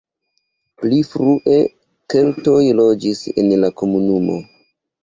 Pli frue keltoj loĝis en la komunumo.